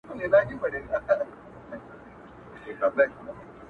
بيا به دا نه وايې چي چا سره خبرې وکړه,